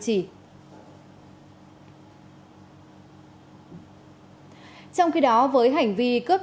trong khi đó với hành vi cướp